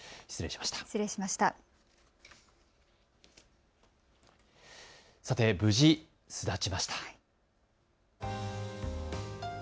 失礼しました。